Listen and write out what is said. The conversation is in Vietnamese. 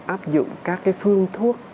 áp dụng các cái phương thuốc